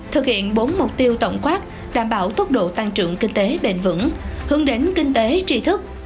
thực hiện bốn mục tiêu tổng quát đảm bảo tốc độ tăng trưởng kinh tế bền vững hướng đến kinh tế tri thức